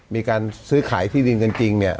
มีการซื้อขายที่ดินกันจริงเนี่ย